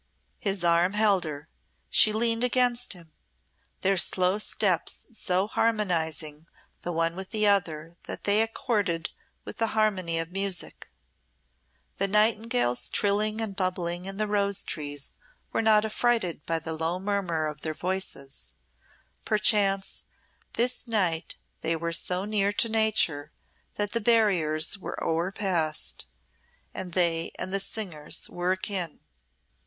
His arm held her, she leaned against him, their slow steps so harmonising the one with the other that they accorded with the harmony of music; the nightingales trilling and bubbling in the rose trees were not affrighted by the low murmur of their voices; perchance, this night they were so near to Nature that the barriers were o'erpassed, and they and the singers were akin.